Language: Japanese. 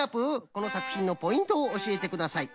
このさくひんのポイントをおしえてください。